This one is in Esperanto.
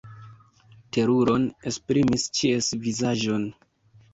Teruron esprimis ĉies vizaĝoj.